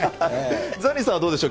ザニーさんは、どうでしょう？